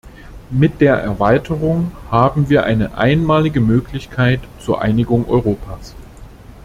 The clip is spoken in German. Mit der Erweiterung haben wir eine einmalige Möglichkeit zur Einigung Europas.